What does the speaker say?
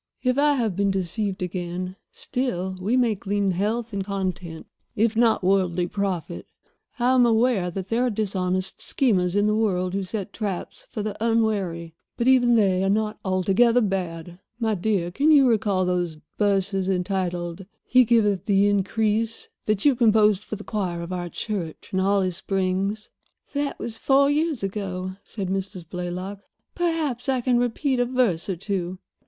If I have been deceived again, still we may glean health and content, if not worldly profit. I am aware that there are dishonest schemers in the world who set traps for the unwary, but even they are not altogether bad. My dear, can you recall those verses entitled 'He Giveth the Increase,' that you composed for the choir of our church in Holly Springs?" "That was four years ago," said Mrs. Blaylock; "perhaps I can repeat a verse or two.